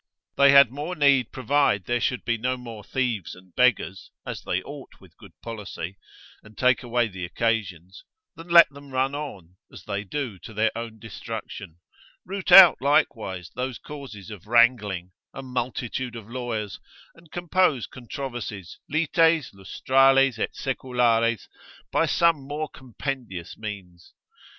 They had more need provide there should be no more thieves and beggars, as they ought with good policy, and take away the occasions, than let them run on, as they do to their own destruction: root out likewise those causes of wrangling, a multitude of lawyers, and compose controversies, lites lustrales et seculares, by some more compendious means.